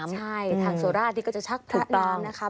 ใช่ทางโสราชนี่ก็จะชักพระน้ำนะคะ